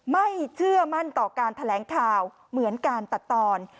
ไม่เชื่อมั่นต่อการแถลงข่าวเหมือนการตัดตอน